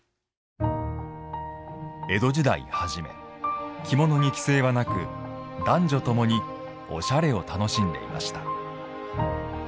江戸時代はじめ着物に規制はなく男女ともにおしゃれを楽しんでいました。